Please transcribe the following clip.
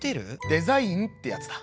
「デザインってやつだ」。